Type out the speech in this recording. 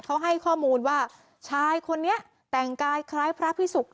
เขาให้ข้อมูลว่าชายคนนี้แต่งกายคล้ายพระพิสุก